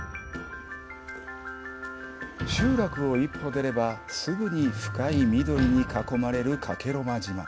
集落を一歩出ればすぐに深い緑に囲まれる加計呂麻島。